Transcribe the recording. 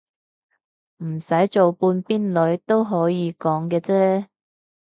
唔使做半邊女都可以講嘅啫